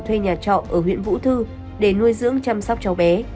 thuê nhà trọ ở huyện vũ thư để nuôi dưỡng chăm sóc cháu bé